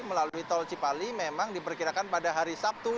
melalui tol cipali memang diperkirakan pada hari sabtu